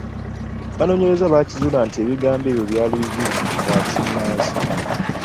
Abanoonyereza baakizuula nti ebigambo ebyo byali bibiri; “wa n'ekinnansi.”